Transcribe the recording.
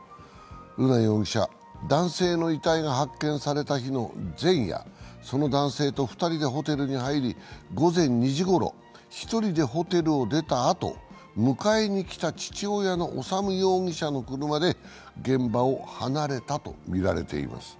瑠奈容疑者、男性の遺体が発見された日の前夜その男性と２人でホテルに入り、午前２時ごろ一人でホテルを出たあと、迎えに来た父親の修容疑者の車で現場を離れたとみられています。